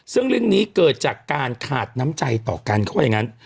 ซึ่งเรื่องนี้เกิดจากการขาดน้ำใจต่อกันเขาว่าอย่างนั้น